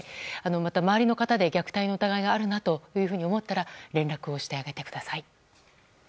また、周りの方で虐待の疑いがあるなと思ったら連絡をしてあげてください。